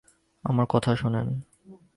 আমার কথা শোনেন।